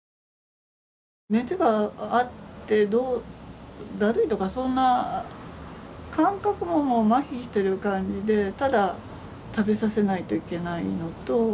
熱があってだるいとかそんな感覚ももうまひしてる感じでただ食べさせないといけないのと